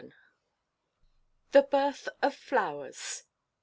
The Birth of Flowers.